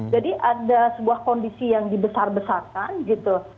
jadi ada sebuah kondisi yang dibesar besarkan gitu